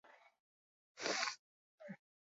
Ez ditut baitezpada euskaraz lantzen.